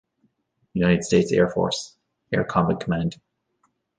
United States Air Force - "Air Combat Command"